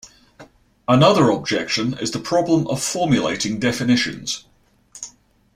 Another objection is the problem of formulating definitions.